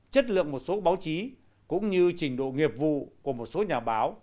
chất lượng một số báo chí cũng như trình độ nghiệp vụ của một số nhà báo